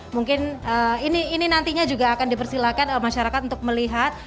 mungkin ini nantinya juga akan dipersilakan masyarakat untuk melihat